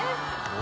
お！